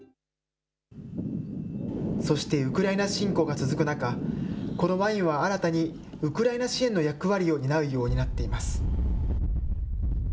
そしてウクライナ侵攻が続く中、このワインは新たにウクライナ支援の役割を担うようになっています。